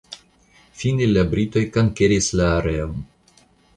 Fine la britoj konkeris la areon.